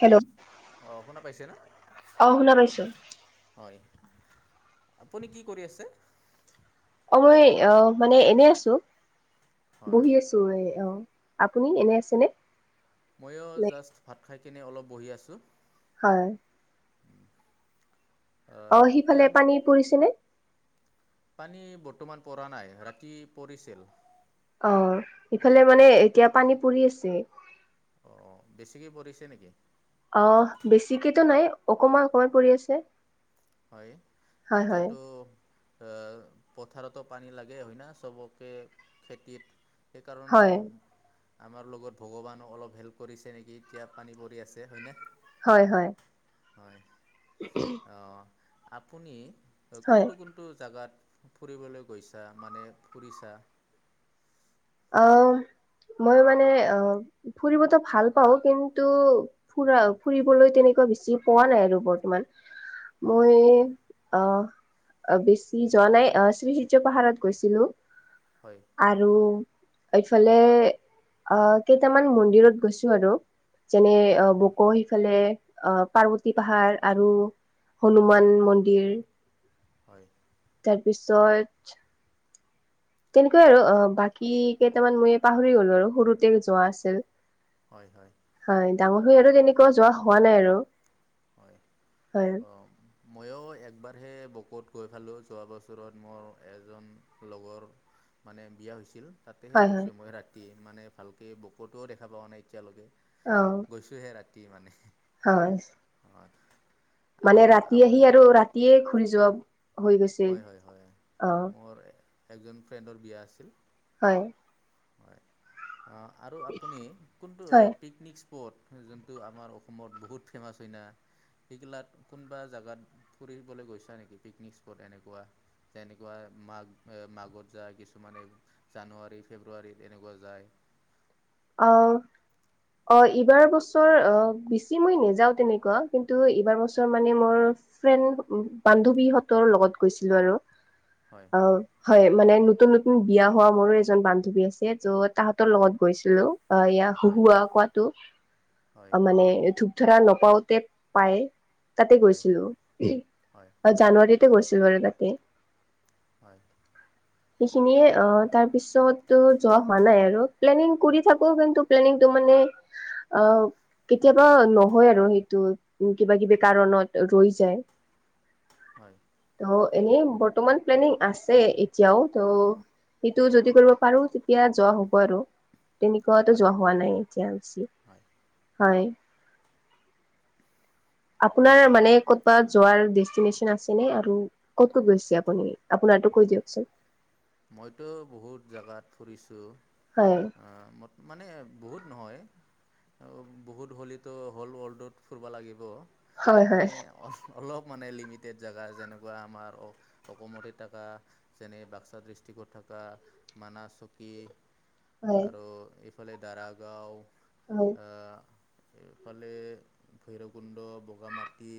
Hello, অঁ শুনা পাইছে না অ, শুনা পাইছো। হয় আপুনি কি কৰি আছে? অ, মই অ, মানে এনে আছো হয় বহি আছো এ অ, আপুনি এনে আছেনে? মইয়ো নে জাষ্ট ভাত খাই কেনে অলপ বহি আছো। হয়। আহ, অ, এতিয়া সিফালে আমি পানী পৰিছে নে? পানী বৰ্তমান পৰা নাই ৰাতি পৰিছিল। অহ ইফালে মানে এতিয়া পানী পৰি আছে। অ বেছিকে পৰিছে নেকি? অ বেছিকেতো নাই অকমান অকমান পৰি আছে। হয় হয় হয় এতিয়াতো অহ পথাৰতো পানী লাগে হয় না চবকে খেতিত সেইকাৰণে হয় আমাৰ লগত ভগৱানো অলপ হেল্প কৰিছে নেকি এতিয়া পানী পৰি আছে হয়নে। হয় হয়। হয় অ আপুনি হয় কোনটো কোনটো জাগাত ফুৰিবলৈ গৈছা মানে ফুৰিছা? অ মই মানে অ ফুৰিবতো ভাল পাও কিন্তু ফুৰা ফুৰিবলৈ তেনেক বেছি পোৱা নাই আৰু বৰ্তমান অঁ মই অহ অ বেছি যোৱা নাই অ শ্ৰীসূৰ্য পাহাৰত গৈছিলো। হয় আৰু এইফালে আহ কেইটামান মন্দিৰত গৈছো আৰু। যেনে অ হয় বকো সিফালে অ পাৰ্বতী পাহাৰ আৰু হনুমান মন্দিৰ হয় তাৰ পিছত তেনেকুৱাই আৰু অ বাকী কেইটামান মই পাহৰি গ'লো আৰু সৰুতে যোৱা আছিল। হয় হয় হয় ডাঙৰ অঁ হৈ আৰু তেনেকুৱা যোৱা হোৱা নাই আৰু। হয় হয় অ মইও একবাৰহে বকোত গৈ পালো যোৱা বছৰত মোৰ এজন লগৰ মানে বিয়া হৈছিল তাতেহে হয় হয় গৈছো মই ৰাতিয়ে মানে ভালকে বকোটোও দেখা পোৱা নাই এতিয়ালৈকে। অ গৈছোহে ৰাতি মানে। হয়, পাত মানে ৰাতি আহি আৰু ৰাতিয়ে ঘূৰি যোৱা হৈ গৈছে। হয়, হয়, হয়, অ মোৰ একজন ফ্ৰেণ্ডৰ বিয়া আছিল। হয় অ আৰু আপুনি কোনটো হয় পিকনিক পট যোনটো আমাৰ অসমত বহুত ফেমাছ হয়না। সিগিলাত কোনোবা জোগাত ফুৰিবলৈ গৈছা নেকি পিকনিক স্পট এনেকুৱা যেনেকুৱা মাঘ এ মাঘত যায় কিছুমানে জানুৱাৰীত ফেব্ৰুৱাৰীত এনেকুৱা যায়। অ'। অ'এইবাৰ বছৰ অ' বেছি মই নেযাও তেনেকুৱা কিন্তু এইবাৰ বছৰ মানে মোৰ ফ্ৰেণ, বান্ধৱীহঁতৰ লগত গৈছিলোঁ আৰু। হয় অ', হয়, মানে ন নতুন নতুন বিয়া হোৱা মোৰো এজন বান্ধৱী আছে, ত' তাহাঁতৰ লগত গৈছিলোঁ। অ', এইয়া হয় হুহুৱাও কোৱাটো, হয় অ' মানে ধূপ ধৰা ন পাওতে পাই তাতে হয় গৈছিলো। হয় অ জানুৱাৰীত গৈছিলোঁ বাৰু তাতে। হয়। সেইখিনিয়ে, অ' তাৰ পিছত যোৱা হোৱা নাই আৰু, প্লেনিং কৰি চাব কিন্তু প্লানিংটো মানে অ' কেতিয়াবা নহয় আৰু সেইটো, কিবা কিবি কাৰণত ৰৈ যায়। হয়। ত' এনেই বৰ্তমান প্লেনিং আছে এতিয়াও, ত' সিটো যদি কৰিব পাৰো তেতিয়া যোৱা হ'ব আৰু। তেনেকুৱা এটা হয় যোৱা হোৱা নাই এতিয়া বেছি, হয় হয়। আপোনাৰ মানে ক'ৰবাত যোৱাৰ ডেষ্টিনেচন আছে নে, আৰু ক'ত ক'ত গৈছে আপুনি, আপোনাৰ টো কৈ দিয়কচোন। মইতো বহুত জোগাত ফুৰিছোঁ, হয় আ' ম মানে বহুত নহয়, বহুত হ'লেতো হ'ল ৱৰ্ল্ডত ফুৰিব লাগিব। হয় হয় মানে অফ অলপ মানে লিমিটেড জেগা যেনেকুৱা আমাৰ অ অসমতে থাকা যেনে বাক্সা ডিষ্ট্ৰিক। টিকট থাকা, মানাচকী হয় আৰু এইফালে দাৰাগাঁও হয় এ এইফালে ভৈৰৱকুণ্ড, বগামাটি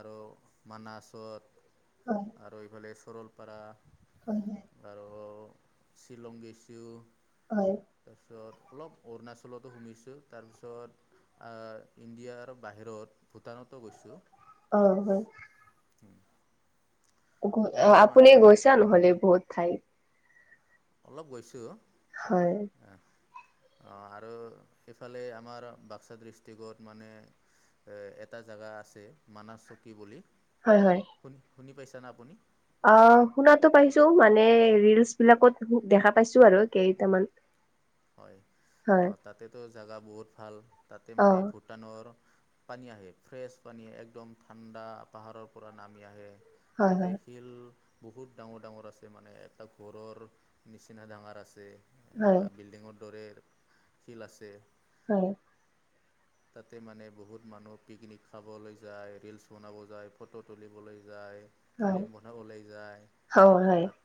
আৰু মানাছত আৰু এইফালে চৰলপাৰা হয় হয়। আৰু শ্বিলং গে'ছো। হয় হয় তাৰপিছত অলপ অৰুণাচলতো সোমাইছোঁ, তাৰপিছত আ, ইণ্ডিয়াৰ বাহিৰত, ভূটানতো গৈছো। অ হয়। উম। আপুনি গৈছা নহ'লে বহুত ঠাইত। অলপ গৈছো। হয়। অ আৰু সেইফালে আমাৰ বাক্সা ডিষ্ট্ৰিকত মানে এ এটা জোগা আছে মানাছ চকী বুলি। হয় হয়। শুনি শুনি পাইছানে আপুনি? অ শুনাটো পাইছো মানে ৰিলচ বিলাকত দেখা পাইছো আৰু কেইটামান। হয় অ হয় তাতেতো জাগা বহুত ভাল, তাতে অ মানে ভূটানৰ পানী আহে ফ্ৰেছ পানী একদম ঠাণ্ডা পাহাৰৰ পৰা নামি আহে। হয় তাতে হয় শিল বহুত ডাঙৰ ডাঙৰ আছে মানে এটা ঘৰৰ নিচিনা ডাঙৰ আছে। হয়। এনেকুৱা বিল্ডিঙৰ দৰে শিল আছে। হয়। তাতে মানে বহুত মানুহ পিকনিক খাবলৈ যায়, ৰিলচ বনাব যায়, ফটো তুলিবলৈ যায়। হয় ফিল্ম বনাবলৈ যায় অ হয় তাত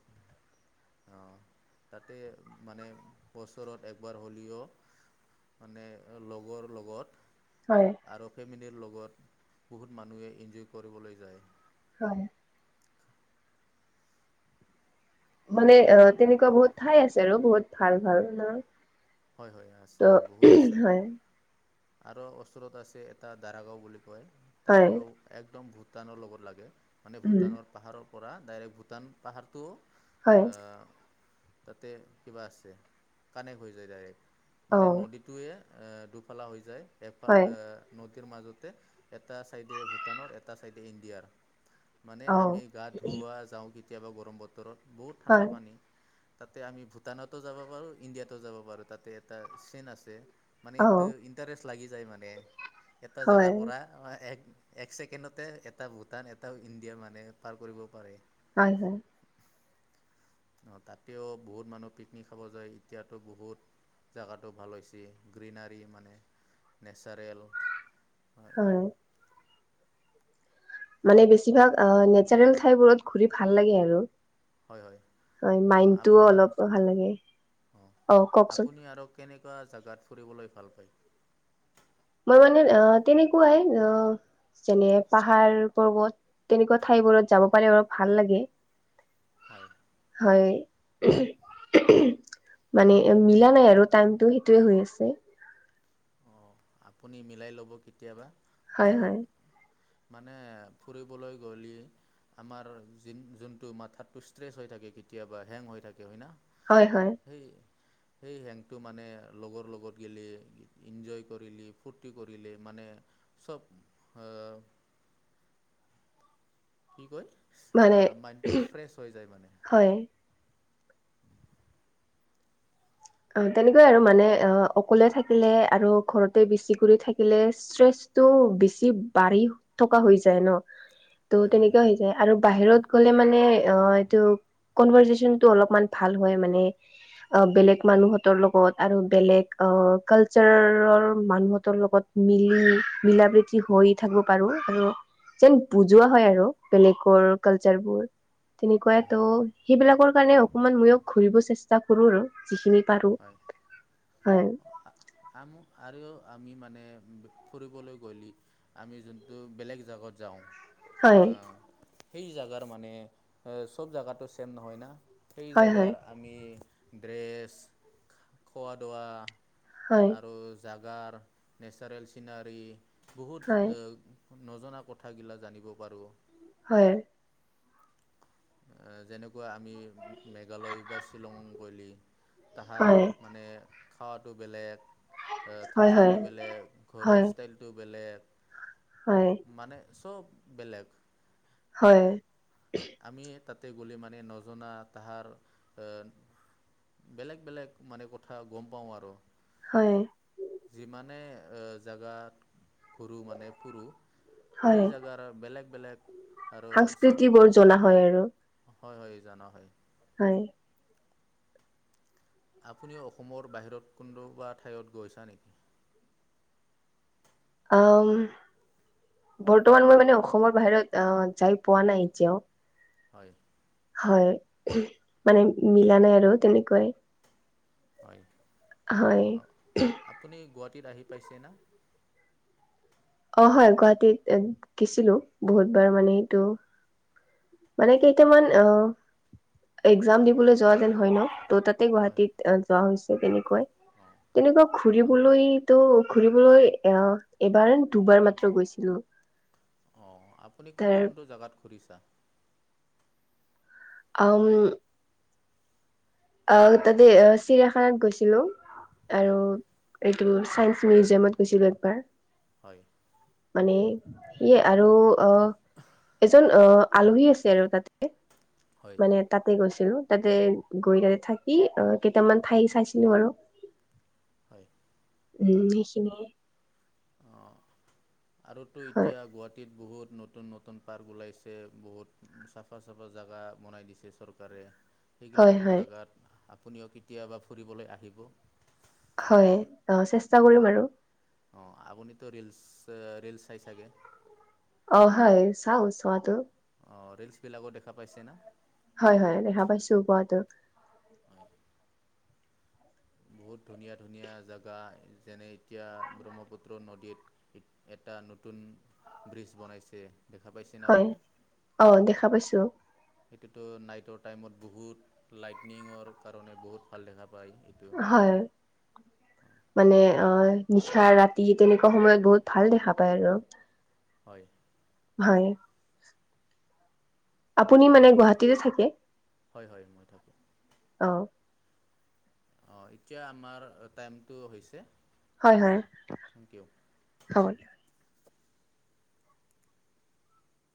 অ, তাতে মানে বছৰত একবাৰ হ'লিও মানে লগৰ লগত। হয়। ৰ লগত বহুত মানুহে ইনজয় কৰিবলৈ যায়। হয়। মানে অ তেনেকুৱা বহুত ঠাই আছে আৰু বহুত ভাল ভাল ন। হয় হয় ত আছে বহুত আছে, হয় আৰু ওচৰত আছে এটা দাৰাগাও বুলি। হয় তাও একদম ভূটানৰ লগত লাগে মানে উম ভূটানৰ পাহাৰৰ পৰা ডাইৰেক্ট ভূটান পাহাৰটো হয় তাতে কিবা আছে কানেক্ট হৈ যায় ডাইৰেক্ট অ মানে নদীটোৱে এ দুফালা হৈ যায় এফাল হয় এ নদ মাজতে এটা চাইডে ভূটানৰ এটা চাইডে ইণ্ডিয়াৰ মানে অ আমি গা ধুওৱা যাওঁ কেতিয়াবা গৰম বতৰত বহুত ঠাণ্ডা হয় পানী। তাতে আমি ভূটানতো যাব পাৰোঁ ইণ্ডিয়াতো যাব পাৰোঁ তাতে এটা চেইন আছে। মানে অ এইটো ইণ্টাৰেষ্ট লাগি যায় মানে এটা হয় জোগাৰ পৰা এক এক ছেকেণ্ডতে এটা ভূটান এটাও ইণ্ডিয়া মানে পাৰ কৰিব পাৰে। হয় হয় অ, তাতেও বহুত মানুহ পিকনিক খাব যায় এতিয়াতো বহুত জাগাটো ভাল হৈছি গ্ৰীনাৰী মানে নেচাৰেল। হয় হয় মানে বেছিভাগ নেচাৰেল ঠাইবোৰত ঘূৰি ভাল লাগে আৰু হয় হয় হয় মাইডতটোও অলপ ভাল লাগে। অ, আপুনি আৰু কেনেকুৱা জোগাত ফুৰিবলৈ ভাল পায়। মই মানে অ' তেনেকুৱাই অ' যেনে পাহাৰ পৰ্বত তেনেকুৱা ঠাইবোৰত যাব পাৰে অলপ ভাল লাগে। হয়। হয়। মানে মিলা নাই আৰু টাইমটো সেইটোৱে হৈ আছে। অঁ আপুনি মিলাই ল'ব কেতিয়াবা। হয় বহুত হয়। মানে ফুৰিবলৈ গলি আমাৰ যোনটো মাথাতটো ষ্ট্ৰেচ হৈ থাকে কেতিয়াবা হেং হৈ থাকে। হয় ন হয় হয় সেই সেই হেংটো মানে লগৰ লগত গি এনজয় কৰিলে ফূৰ্তি কৰিলে মানে চব আ কি ক মানে আহ মাইণ্ডটো ফ্ৰেছ হৈ যায় মানে। হয় অ, তেনেকুৱাই আৰু মানে অ অকলে থাকিলে আৰু ঘৰতে বেচি কৰি থাকিলে শ্ৰেষ্ঠ ত'বেছি বাঢ়ি থকা হৈ যায় ন ত' হয় হয় তেনেকা হৈ যায় আৰু। বাহিৰত গ'লে মানে অ'এইটো কনভাৰচেচনটো অলপমান ভাল হয় মানে। অ 'বেলেগ মানুহঁতৰ লগত আৰু বেলেগ কালচাৰৰ মানুহতৰ লগত মিলি মিলা প্ৰীতি হৈয় থাকিব পাৰো আৰু যেন বুজোৱা হয় আৰু বেলেগ কালচাৰ বোৰ তেনেকুৱাই হয় হয় ত' সেইবিলাকৰ কাৰণে অকমান ময়ো ঘূৰিব চেষ্টা কৰো আৰু যিখিনি। পাৰো হয় হয়। আম আৰু আমি মানে ফুৰিবলৈ গ'লে আমি যোনটো বেলেগ জগাত যাওঁ। হয় অ' সেই জাগাৰ মানে চব জাগাটো ছেম নহয় না। সেই হয় জাগাৰ আমি ড্ৰেছ খোৱা দোৱা। হয় আৰু জাগাৰ নেচাৰেল চিনাৰী হয় বহুত। নজনা কথাগিলা জানিব পাৰো। হয়। যেনেকুৱা আমি মেঘালয় বা শ্বিলং গৈ'লে। তাহাৰ হয় হয় মানে খাৱাতটো বেলেগ। হয় হয় থাকটো বেলেগ হয় ঘৰৰ ষ্টাইলটো বেলেগ মানে। চব বেলেগ। হয়। আমি তাতে গ'লে মানে নজনা তাহাৰ এ। বেলেগ বেলেগ মানে কথা গম পাওঁ আৰু। হয় যিমানে জেগাত ঘুৰো মানে ফুৰো সেই হয় জেগাৰ বেলেগ বেলেগ আৰু চ'ব। সংস্কৃতিবোৰ জনা হয় আৰু। হয়, হয় জানা হয়। [unintelligible] আপুনি অসমৰ বাহিৰত কোনোবা ঠাইত গৈছা নেকি? আহ বৰ্তমান মই মানে অসমৰ বাহিৰত আহ যাই পোৱা নাই এতিয়াও। হয় হয় মানে মিলা নাই আৰু তেনেকুৱাই। হয়। হয়। তিতা আহি পাইছে না। অ হয় গুৱাহাটীত গিছিলো বহুতবাৰ মানে হেইটো। মানে আপ- কেইটামান অ একজাম দিবলৈ যোৱা যেন হয় ন। ত তাতে হয় গুৱাহাটীত যোৱা হৈছে। কেনেকৈ অঁ তেনেকুৱা অঁ ঘুৰিবলৈ। ত' ঘুৰিবলৈ আহ এবাৰ দুবাৰ মাত্ৰ গৈছিলো। অ আপুনি কোনটো তাৰ কোনটো জেগাত ঘুৰিছে। অ অ তাতে চিৰিয়াখানাত গৈছিলো আৰু। হয় টো চাইন্স মিউজিয়ামত গৈছিলো একবাৰ। হয়। মানে সেয়ে আৰু আহ। এজন অ আলহী আছে আৰু তাতে হয় মানে তাতে গৈছো। তো তাতে গৈ তাতে থাকি, আহ কেইটামান ঠাই চাইছিলো আৰু। হয়। উম। হেইখিনি অ, আৰুতো হয় এতিয়া গুৱাহাটীত। বহুত নতুন নতুন পাৰ্ক ওলাইছে। বহুত চাফা চাফা জেগা বনাই দিছে চৰকাৰে। সেইগিলা হয় হয় জেগাত আপুনিও কেতিয়াবা ফুৰিবলৈ আহিব। হয় অ চেষ্টা কৰিম আৰু। অ আপুনিতো ৰিলচ ৰিলচ চাই চাগে। অ হয় চওচোৱাটো। অঁ ৰিলচবিলাকো দেখা পাইছে না। হয় হয় দেখা পাইছো কোৱাাতটো। হয় বহুত [unintelligible] ধুনীয়া ধুনীয়া জেগা যেনে এতিয়া ব্ৰহ্মপুত্ৰ নদীত এটা নতুন ব্ৰিজ বনাইছে। দেখা পাইছেনে হয় আপুনি অ দেখা পাইছো। সেইটোটো নাইটৰ টাইমত বহুত লাইটনিঙৰ কাৰণে বহুত ভাল দেখা পায় এইটো। হয় মানে অ নিশা ৰাতি তেনেকুৱা সময়ত বহুত ভাল দেখা পায় আৰু। হয়। হয়। আপুনি অঁ মানে গুৱাহাটীতে থাকে। হয় হয় মই থাকো। অ'। অ এতিয়া আমাৰ টাইমটো হৈছে হয়-হয় থেংক ইউ হব দ